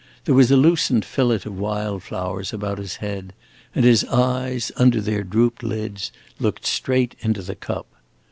There was a loosened fillet of wild flowers about his head, and his eyes, under their drooped lids, looked straight into the cup.